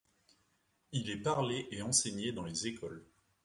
Il est parlé et enseigné dans les écoles.